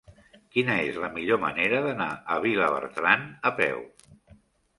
Quina és la millor manera d'anar a Vilabertran a peu?